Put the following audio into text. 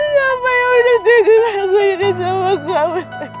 siapa yang udah tinggal ngaku ini sama kamu